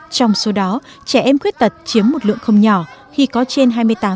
trong số đó trẻ em khuyết tật chiếm một lượng không nhỏ khi có trên hai mươi tám